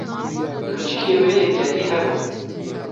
Kûçikê wê yê kedî hebû.